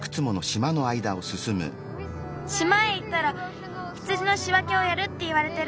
しまへいったら羊のしわけをやるっていわれてる。